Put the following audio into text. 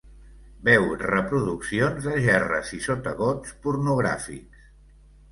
Veu reproduccions de gerres i sotagots pornogràfics.